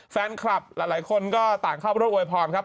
แฟนคลับหลายคนก็ต่างครอบรถโวยพรครับ